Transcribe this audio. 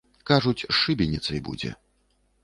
Кажуць, з шыбеніцай будзе.